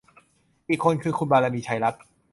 อีกคนคือ คุณบารมี ชัยรัตน์